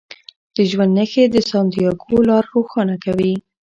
د ژوند نښې د سانتیاګو لار روښانه کوي.